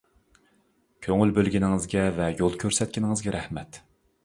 كۆڭۈل بۆلگىنىڭىزگە ۋە يول كۆرسەتكىنىڭىزگە رەھمەت!